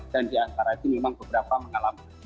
dan diantara itu memang beberapa mengalami